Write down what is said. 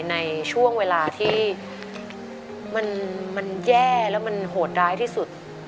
ในช่วงเวลาที่มันแย่แล้วมันโหดร้ายที่สุด